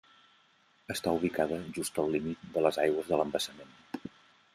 Està ubicada just al límit de les aigües de l'embassament.